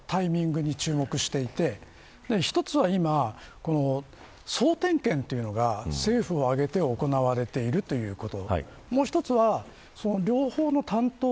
異例の立ち入り検査といいますが僕は２つのタイミングに注目していて１つは今総点検というのが政府を挙げて行われているということ。